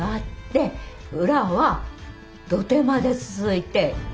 裏は土手まで続いて。